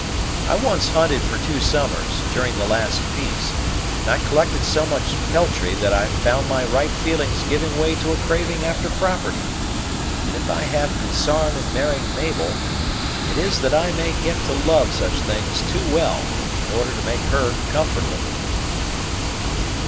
I once hunted for two summers, during the last peace, and I collected so much peltry that I found my right feelings giving way to a craving after property; and if I have consarn in marrying Mabel, it is that I may get to love such things too well, in order to make her comfortable."